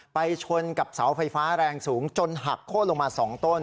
ไปชนกับเสาไฟฟ้าแรงสูงจนหักโค้นลงมา๒ต้น